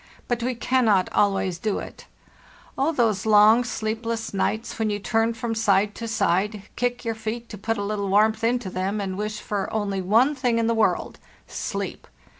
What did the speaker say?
But we cannot always do it. Oh, those long sleepless nights when you turn from side to side, kick your feet to put a little warmth into them, and wish for only one thing in the world—sleep!